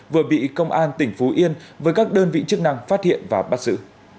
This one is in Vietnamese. vừa bị công an tỉnh phú yên với các đơn vị chức năng phát hiện và bắt giữ